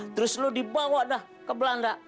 terus lo dibawa dah ke belanda